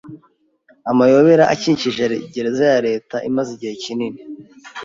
Amayobera akikije gereza ya leta imaze igihe kinini